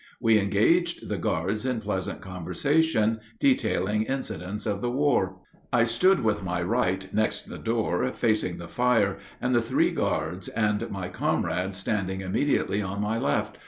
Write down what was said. We engaged the guards in pleasant conversation, detailing incidents of the war. I stood with my right next the door, facing the fire and the three guards, and my comrades standing immediately on my left.